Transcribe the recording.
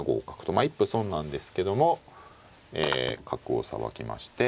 まあ一歩損なんですけども角をさばきまして。